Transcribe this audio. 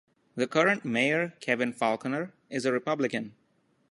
The current mayor, Kevin Faulconer, is a Republican.